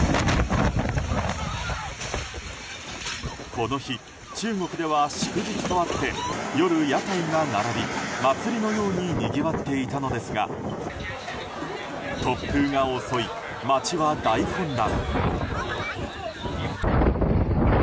この日、中国では祝日とあって夜、屋台が並び、祭りのようににぎわっていたのですが突風が襲い、町は大混乱。